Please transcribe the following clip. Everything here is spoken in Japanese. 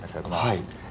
はい。